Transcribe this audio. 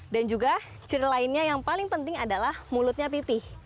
dan juga ciri lainnya yang paling penting adalah mulutnya pipih